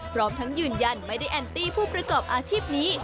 พร้อมทั้งยืนยันไม่ได้แอนตี้ผู้ประกอบอาชีพนี้